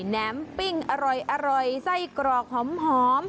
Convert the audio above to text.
แหมปิ้งอร่อยไส้กรอกหอม